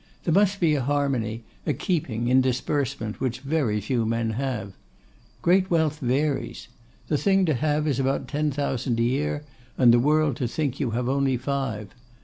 There must be a harmony, a keeping, in disbursement, which very few men have. Great wealth wearies. The thing to have is about ten thousand a year, and the world to think you have only five.